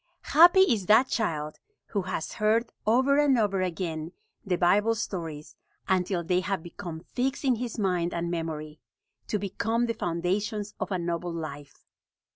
Happy is that child who has heard, over and over again, the Bible stories until they have become fixed in his mind and memory, to become the foundations of a noble life.